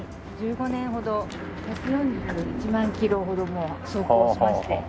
１５年ほど１４１万キロほどもう走行しまして。